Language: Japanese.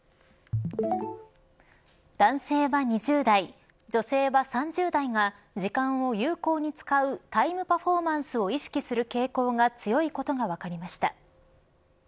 男性は２０代女性は３０代が時間を有効に使うタイムパフォーマンスを意識する傾向が強いことが分かりました。